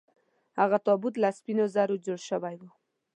هغه تابوت له سپینو زرو جوړ شوی و.